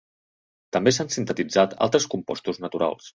També s'han sintetitzat altres compostos naturals.